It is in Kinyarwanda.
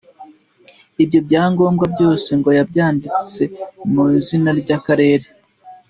Ibyo byangombwa byose ngo yabyanditse mu izina ry’akarere.